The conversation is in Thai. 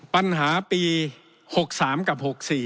ปัญหาปี๖๓กับ๖๔